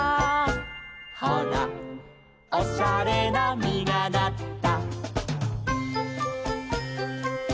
「ほらおしゃれなみがなった」